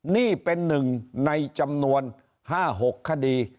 นี่เป็นหนึ่งในจำนวน๕๖คดี